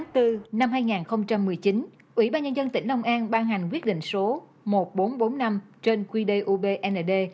tháng bốn năm hai nghìn một mươi chín ủy ban nhân dân tỉnh long an ban hành quyết định số một nghìn bốn trăm bốn mươi năm trên qdubnd